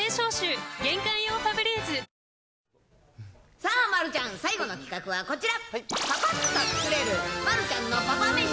さあ、丸ちゃん、最後の企画はこちら。